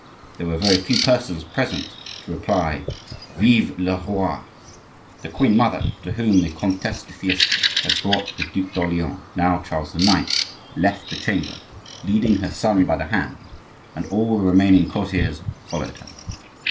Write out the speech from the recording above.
there were very few persons present to reply, "Vive le roi!" The queen mother, to whom the Comtesse de Fiesque had brought the Duc d'Orleans, now Charles IX., left the chamber, leading her son by the hand, and all the remaining courtiers followed her.